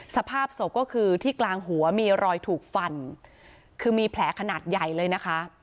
สภาพศพก็คือที่กลางหัวมีรอยถูกฟันคือมีแผลขนาดใหญ่เลยนะคะ